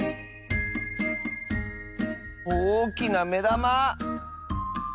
おおきなめだま！